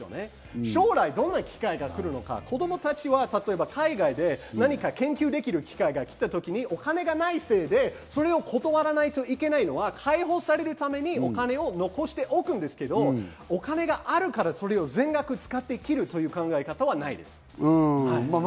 将来どんな機会が来るのか、子供たちは例えば海外で何か研究できる機会が来た時に、お金がないせいでそれを断らないといけないのは解放されるためにお金を残しておくんですけど、お金があるから、それを全額使って生きるという考え方はないです。